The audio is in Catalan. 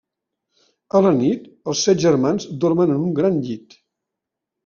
A la nit, els set germans dormen en un gran llit.